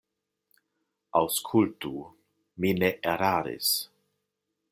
Aŭskultu; mi ne eraris.